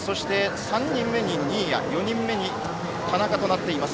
３人目に新谷、４人目に田中となっています。